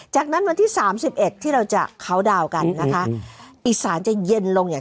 จากนั้นวันที่สามสิบเอ็ดที่เราจะเคาน์ดาวน์กันนะคะอีสานจะเย็นลงอย่าง